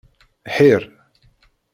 Ḥir.